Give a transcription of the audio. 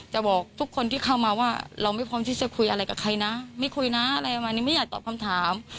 บอกทุกคนที่เข้ามาว่าเราไม่พร้อมที่จะคุยอะไรกับใครนะไม่คุยนะอะไรประมาณนี้ไม่อยากตอบคำถาม